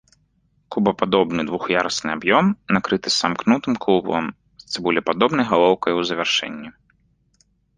Кубападобны двух'ярусны аб'ём накрыты самкнутым купалам з цыбулепадобнай галоўкай у завяршэнні.